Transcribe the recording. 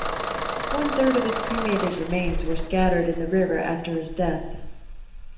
One third of his cremated remains were scattered in the river after his death.